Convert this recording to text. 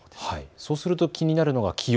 そうすると、気になるのが気温。